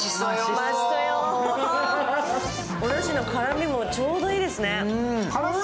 おだしの辛みもちょうどいいですね。